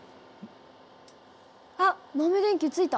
あっ豆電球ついた。